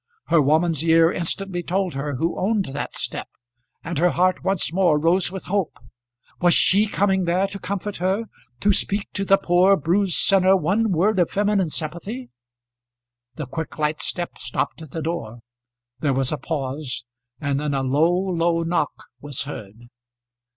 Her woman's ear instantly told her who owned that step, and her heart once more rose with hope. Was she coming there to comfort her, to speak to the poor bruised sinner one word of feminine sympathy? The quick light step stopped at the door, there was a pause, and then a low, low knock was heard.